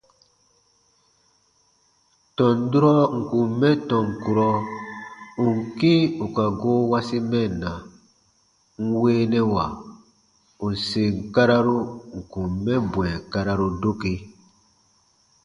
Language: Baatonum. Tɔn durɔ ǹ kun mɛ tɔn kurɔ ù n kĩ ù ka goo wasi mɛnna, n weenɛwa ù sèn kararu ǹ kun mɛ bwɛ̃ɛ kararu doke.